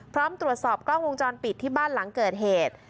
พร้อมตรวจสอบกล้องวงจรปิดที่บ้านหลังเกิดเหตุ